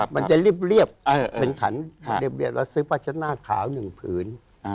มันจะเรียบเป็นขันเรียบแล้วซื้อปาชะนาขาวหนึ่งผืน